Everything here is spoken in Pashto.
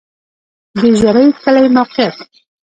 د ژرۍ کلی موقعیت